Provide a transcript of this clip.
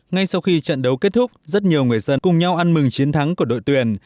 ngay sau khi trận đấu kết thúc rất nhiều người dân cùng nhau ăn mừng chiến thắng của đội tuyển